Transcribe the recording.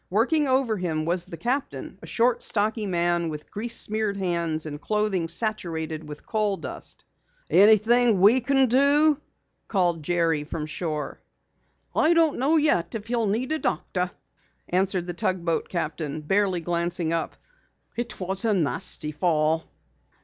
Working over him was the captain, a short, stocky man with grease smeared hands and clothing saturated with coal dust. "Anything we can do?" called Jerry from shore. "Don't know yet if he'll need a doctor," answered the tugboat captain, barely glancing up. "It was a nasty fall."